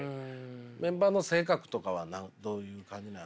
メンバーの性格とかはどういう感じなんですか？